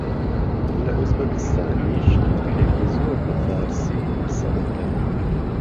لە ئوزبەکستانیش خەڵکێکی زۆر بە فارسی قسە دەکەن